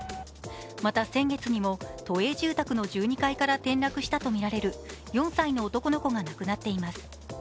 また先月にも、都営住宅の１２階から転落したとみられる４歳の男の子が亡くなっています。